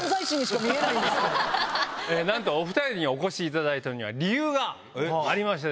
お２人にお越しいただいたのには理由がありまして。